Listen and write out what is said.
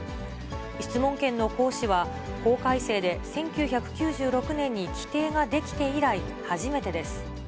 質問権の行使は、法改正で１９９６年に規定が出来て以来、初めてです。